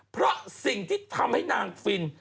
เพราะสิ่งที่ทำให้นางฟิน